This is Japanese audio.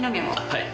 はい。